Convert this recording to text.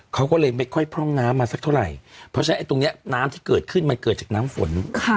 เขาก็เลยไม่ค่อยพร่องน้ำมาสักเท่าไหร่เพราะฉะนั้นไอ้ตรงนี้น้ำที่เกิดขึ้นมันเกิดจากน้ำฝน